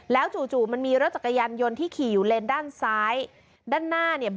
จู่จู่มันมีรถจักรยานยนต์ที่ขี่อยู่เลนด้านซ้ายด้านหน้าเนี่ย